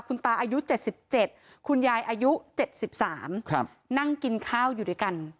คุณตาอายุ๗๗คุณยายอายุ๗๓นั่งกินข้าวอยู่ด้วยกัน